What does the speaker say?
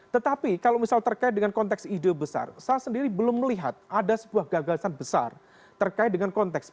tetapi kalau misal terkait dengan konteks ide besar saya sendiri belum melihat ada sebuah gagasan besar terkait dengan konteks